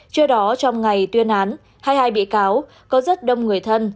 trước đó trong ngày tuyên án hai bị cáo có rất đông người thân